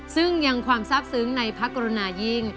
ซึ่งยังความทราบซึ้งในพระกรุณายิ่ง